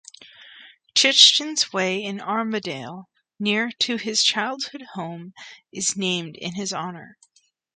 Crichton's Way in Armadale, near to his childhood home is named in his honour.